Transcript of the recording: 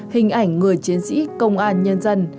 hình ảnh người chiến sĩ công an nhân dân